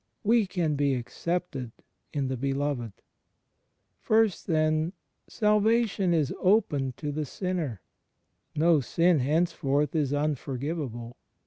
We can be "accepted in the Beloved." First, then: salvation is open to the sinner. No sin henceforth is unforgivable.